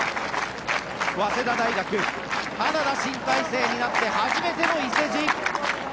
早稲田大学、花田新体制になって初めての伊勢路。